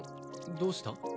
どうした？